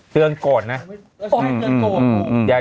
เตือนโกดนะ